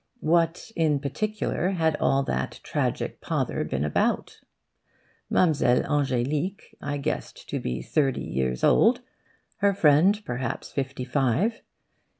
What, in particular, had all that tragic pother been about? Mlle. Ange'lique I guessed to be thirty years old, her friend perhaps fifty five.